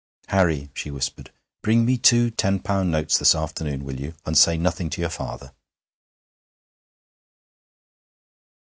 'Harry,' she whispered, 'bring me two ten pound notes this afternoon, will you, and say nothing to your father.'